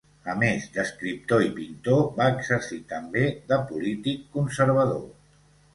A més d'escriptor i pintor va exercir també de polític conservador.